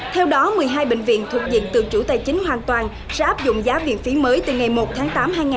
theo đó một mươi hai bệnh viện thuộc diện tự chủ tài chính hoàn toàn sẽ áp dụng giá viện phí mới từ ngày một tháng tám hai nghìn hai mươi